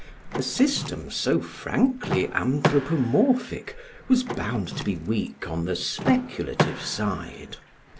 A system so frankly anthropomorphic was bound to be weak on the speculative side.